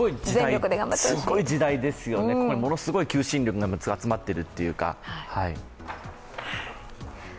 すごい時代ですよね、ものすごい求心力が集まっているというか。